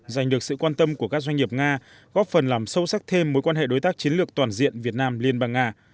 giành được sự quan tâm của các doanh nghiệp nga góp phần làm sâu sắc thêm mối quan hệ đối tác chiến lược toàn diện việt nam liên bang nga